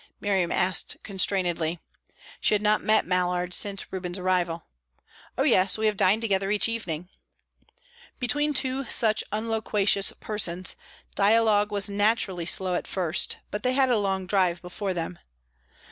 Miriam asked constrainedly. She had not met Mallard since Reuben's arrival. "Oh yes. We have dined together each evening." Between two such unloquacious persons, dialogue was naturally slow at first, but they had a long drive before them.